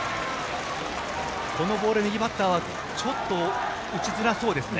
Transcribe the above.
このボール、右バッターはちょっと打ちづらそうですね。